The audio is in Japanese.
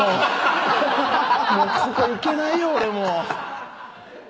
もうここいけないよ俺。